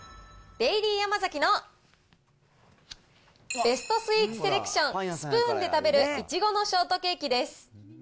デイリーヤマザキのベストスイーツセレクション、スプーンで食べる苺のショートケーキです。